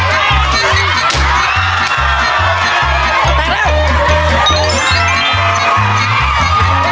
อ้าวโอ้ย